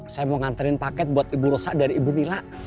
saya mau mengantarkan paket untuk ibu rosa dari ibu lina